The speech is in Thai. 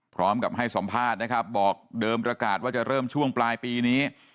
พร้อมกับให้สัมภาษณ์นะครับบอกเดิมประกาศว่าจะเริ่มช่วงปลายปีนี้